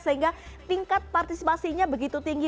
sehingga tingkat partisipasinya begitu tinggi